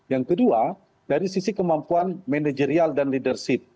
yang kedua dari sisi kemampuan manajerial dan leadership